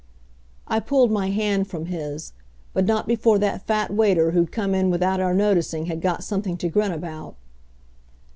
I pulled my hand from his; but not before that fat waiter who'd come in without our noticing had got something to grin about.